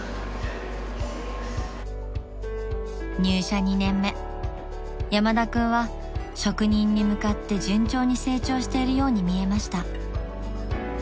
［入社２年目山田君は職人に向かって順調に成長しているように見えました］